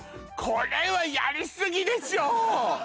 これはやりすぎでしょう！